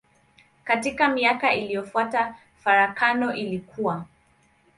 Katika miaka iliyofuata farakano ilikua.